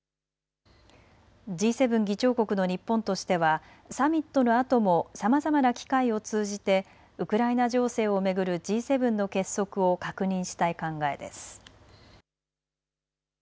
Ｇ７議長国の日本としてはサミットのあともさまざまな機会を通じてウクライナ情勢を巡るＧ７の結束を確認したい考えです。